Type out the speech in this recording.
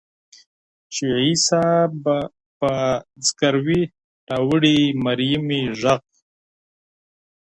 چي عیسی په زګیروي راوړي مریمي ږغ